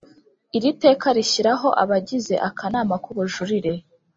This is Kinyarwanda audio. Iri teka rishyiraho abagize Akanama k ubujurire